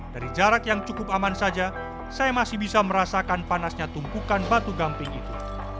dari jarak yang cukup aman saja saya masih bisa merasakan panasnya tumpukan batu gamping itu